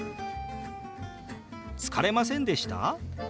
「疲れませんでした？」。